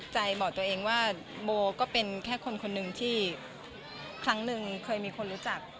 ใจบอกตัวเองว่าโบก็เป็นแค่คนคนหนึ่งที่ครั้งหนึ่งเคยมีคนรู้จัก